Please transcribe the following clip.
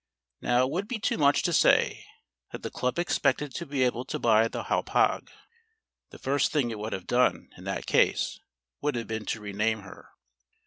Now it would be too much to say that the club expected to be able to buy the Hauppauge (the first thing it would have done, in that case, would have been to rename her).